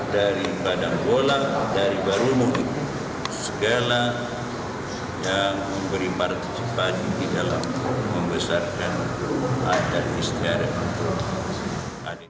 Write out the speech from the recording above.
dari padanggola dari barulmungi segala yang beri partisipasi di dalam membesarkan adat istiarah